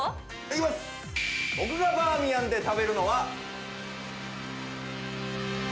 僕がバーミヤンで食べるのは。